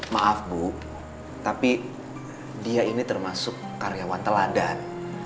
maaf bu tapi dia ini termasuk karyawan teladan